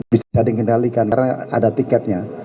bisa dikendalikan karena ada tiketnya